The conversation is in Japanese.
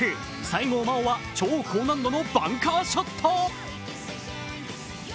西郷真央は超高難度のバンカーショット。